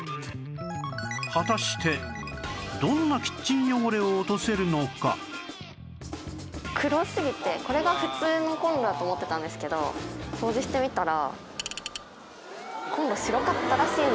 果たして黒すぎてこれが普通のコンロだと思ってたんですけど掃除してみたら。